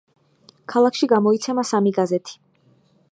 ქალაქში გამოიცემა სამი გაზეთი.